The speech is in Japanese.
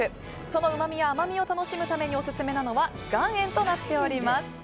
そのうまみや甘みを楽しむためにオススメなのは岩塩となっております。